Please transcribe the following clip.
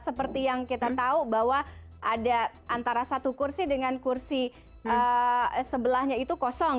seperti yang kita tahu bahwa ada antara satu kursi dengan kursi sebelahnya itu kosong